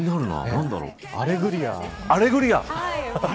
アレグリア。